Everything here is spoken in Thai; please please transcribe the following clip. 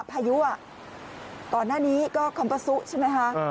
พายุอ่ะก่อนหน้านี้ก็คอมปาซุใช่ไหมคะ